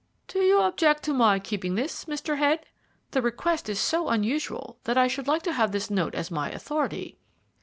"Do you object to my keeping this, Mr. Head? The request is so unusual, that I should like to have this note as my authority."